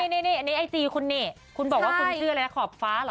นี่อันนี้ไอจีคุณนี่คุณบอกว่าคุณชื่ออะไรนะขอบฟ้าเหรอ